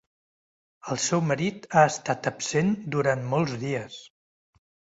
El seu marit ha estat absent durant molts dies.